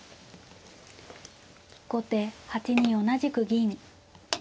後手８二同じく銀。